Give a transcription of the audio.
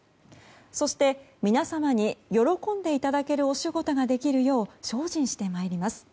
そして、皆様に喜んでいただけるお仕事ができるよう精進してまいります。